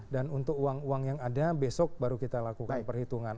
dan untuk uang uang yang ada besok baru kita lakukan perhitungan